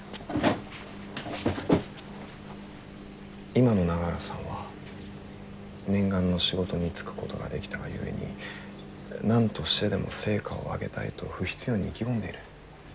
今の永浦さんは念願の仕事に就くことができたが故に何としてでも成果を上げたいと不必要に意気込んでいる。